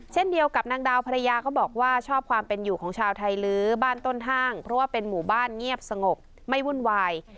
เช่นเดียวกับนางดาวภรรยาก็บอกว่าชอบความเป็นอยู่ของชาวไทยลื้อบ้านต้นห้างเพราะว่าเป็นหมู่บ้านเงียบสงบไม่วุ่นวาย